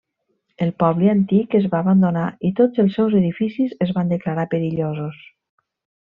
El poble antic es va abandonar i tots els seus edificis es van declarar perillosos.